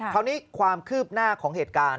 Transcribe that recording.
ความคืบหน้าของเหตุการณ์